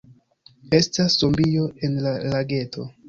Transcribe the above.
Estas zombio en la lageto.